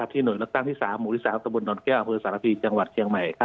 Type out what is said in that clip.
ที่หน่วยนักตั้งที่๓หมู่ที่๓บุตรสมุนดแก้วอังคฤษศาลพีจังหวัดเกียงใหม่